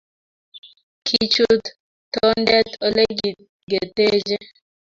Kichuut toondet olegitigetechee